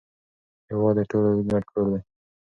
هیواد د ټولو ګډ کور دی.